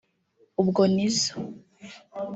ubwo Nizzo